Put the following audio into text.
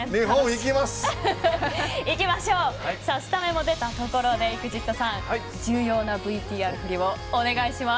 いきましょうさあスタメンも出たところでＥＸＩＴさん重要なＶＴＲふりをお願いします。